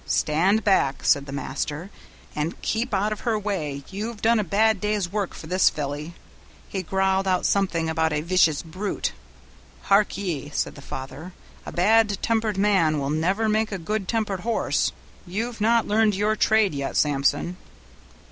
'Stand back,' said the master, 'and keep out of her way; you've done a bad day's work for this filly.' He growled out something about a vicious brute. 'Hark ye,' said the father, 'a bad tempered man will never make a good tempered horse. You've not learned your trade yet, Samson.'